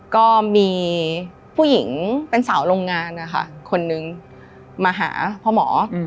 ก็มีผู้หญิงเป็นสาวโรงงานนะคะคนนึงมาหาพ่อหมอ